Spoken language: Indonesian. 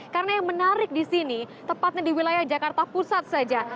karena yang menarik di sini tepatnya di wilayah jakarta pusat saja